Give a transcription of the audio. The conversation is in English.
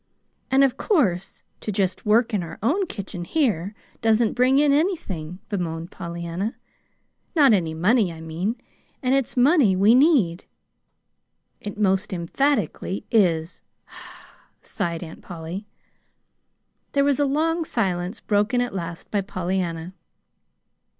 "And of course, to just work in our own kitchen here doesn't bring in anything," bemoaned Pollyanna, " not any money, I mean. And it's money we need." "It most emphatically is," sighed Aunt Polly. There was a long silence, broken at last by Pollyanna.